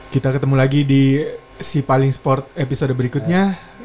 kita ketemu lagi di si paling sport episode berikutnya